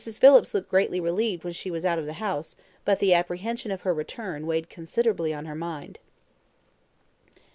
Phillips looked greatly relieved when she was out of the house, but the apprehension of her return weighed considerably on her mind.